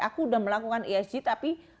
aku udah melakukan esg tapi